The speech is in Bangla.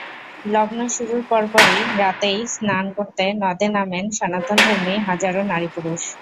লগ্ন শুরুর পরপরই রাতেই স্নান করতে নদে নামেন সনাতনধর্মী হাজারো নারী-পুরুষ।